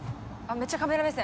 めっちゃカメラ目線。